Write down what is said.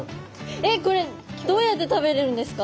えっこれどうやって食べるんですか？